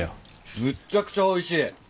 むっちゃくちゃおいしい。